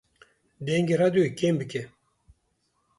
Dengê radyoyê kêm bike